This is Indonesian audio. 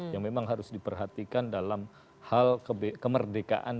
yang memang harus diperhatikan dalam hal kemerdekaan